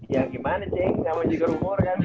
ya gimana ceng gak mau juga rumor kan